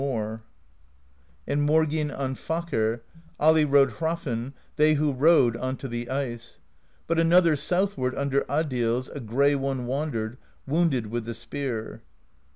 212 PROSE EDDA And Morginn on Vakr;' Ali rode Hrafn, They who rode onto the ice: But another, southward, Under Adils, A gray one, wandered. Wounded with the spear.